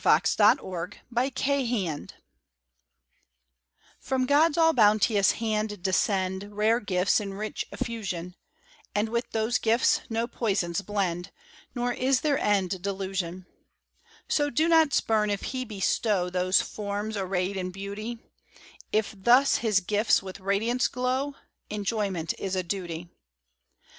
GOD'S GIFTS TO BE ENJOYED From God's all bounteous hand descend Rare gifts in rich effusion, And with those gifts no poisons blend, Nor is their end delusion; So do not spurn if He bestow Those forms arrayed in beauty; If thus His gifts with radiance glow, Enjoyment is a duty.